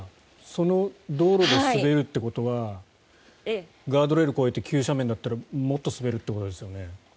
その道路で滑るということはガードレールを越えて急斜面だったらもっと滑るってことですよね。